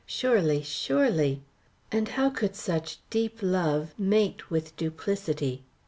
Surely, surely! And how could such deep love mate with duplicity?